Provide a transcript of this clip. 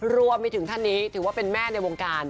รวมไปถึงท่านนี้ถือว่าเป็นแม่ในวงการ